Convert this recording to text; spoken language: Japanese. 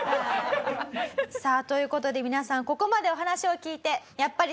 さあという事で皆さんここまでお話を聞いて。